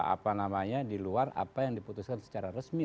apa namanya di luar apa yang diputuskan secara resmi